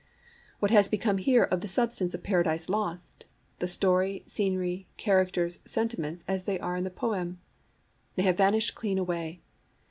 What has become here of the substance of Paradise Lost—the story, scenery, characters, sentiments as they are in the poem? They have vanished clean away.